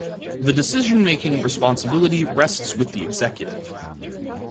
The decision-making responsibility rests with the executive.